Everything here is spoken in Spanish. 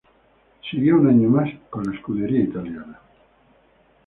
Siguió un año más con la escudería italiana.